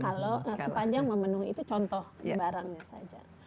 kalau sepanjang memenuhi itu contoh barangnya saja